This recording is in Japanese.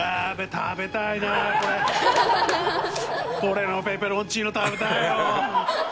これのぺペロンチーノ食べたいよ！